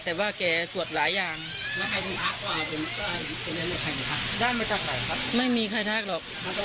แต่ว่าแกตรวจหลายอย่างไม่มีใครทักหรอก